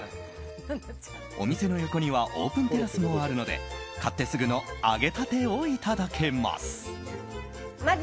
お店の横にはオープンテラスもあるので買ってすぐの揚げたてをいただけます。